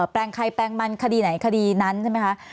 แปลงใครแปลงมันคดีไหนคดีนั้นใช่ไหมคะ